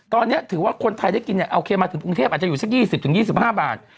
ตอนเนี้ยถือว่าคนไทยได้กินเนี้ยเอาเคมมาถึงกรุงเทพอาจจะอยู่สักยี่สิบถึงยี่สิบห้าบาท